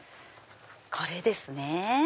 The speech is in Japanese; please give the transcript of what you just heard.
これですね。